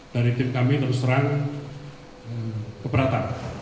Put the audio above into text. dari tim kami terus terang keberatan